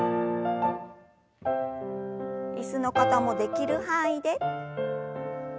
椅子の方もできる範囲で。